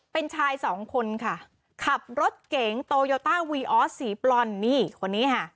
เป็นชายสองคนค่ะขับรถเก๋งโตโยต้าวีออสสีบรอนนี่คนนี้ค่ะ